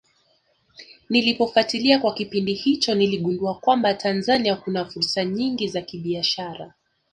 Nilipofatilia kwa kipindi hicho niligundua kwamba Tanzania kuna fursa nyingi za kibiashara